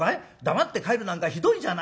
黙って帰るなんかひどいじゃないか。